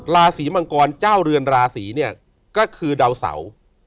ราศีมังกรเจ้าเรือนราศีเนี่ยก็คือดาวเสา